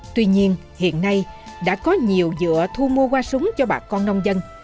tuy nhiên hiện nay đã có nhiều dựa thu mua qua súng cho bà con nông dân